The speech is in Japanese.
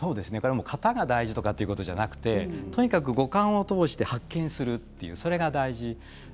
型が大事ということではなくてとにかく五感を通して発見する、それが大事です。